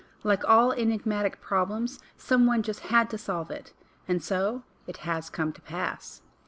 Like all enigmatic problems, some one just had to solve it— and so it has come to pass.